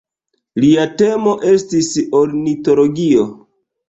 Lia temo estis ornitologio.